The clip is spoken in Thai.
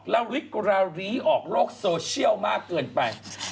ระวิกรารีออกโลกโซเชียลมากเกินไป